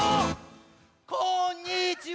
こんにちは！